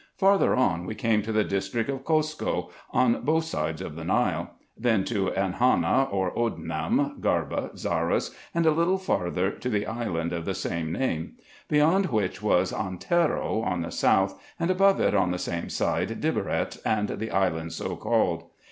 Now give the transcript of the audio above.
Farther on we came to the district of Kosko, on both sides of the Nile ; then to Enhana, or Oddenham, Garba, Zarras, and, a little farther, to the island of the same name ; beyond which was Antero on the south, and above it on the same side Diberet, and the island so called.